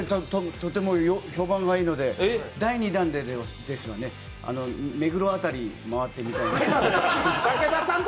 とても評判がいいので第２弾では目黒辺り回ってみたいなと。